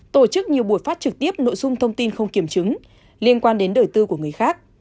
tổ chức nhiều buổi phát trực tiếp nội dung thông tin không kiểm chứng liên quan đến đời tư của người khác